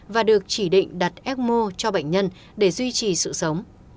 và được chỉ định đặt ecmo cho bệnh nhân để duy trì sự sống